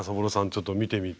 ちょっと見てみて。